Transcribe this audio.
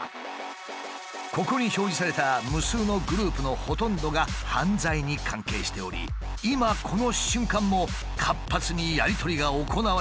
ここに表示された無数のグループのほとんどが犯罪に関係しており今この瞬間も活発にやり取りが行われているという。